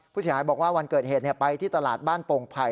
ผู้เสียหายบอกว่าวันเกิดเหตุไปที่ตลาดบ้านโป่งไผ่